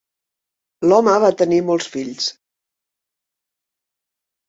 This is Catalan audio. L'home va tenir molts fills.